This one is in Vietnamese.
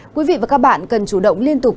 quý vị và các bạn cần chủ động liên tục